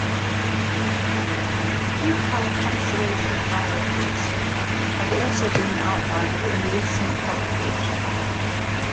Detailed conservation priorities have also been outlined in a recent publication.